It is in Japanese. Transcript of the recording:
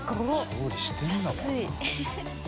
調理してるんだもんな。